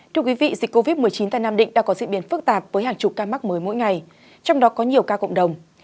thưa quý vị dịch covid một mươi chín tại nam định đã có diễn biến phức tạp với hàng chục ca mắc mới mỗi ngày trong đó có nhiều ca cộng đồng